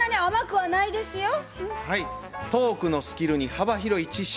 はいトークのスキルに幅広い知識。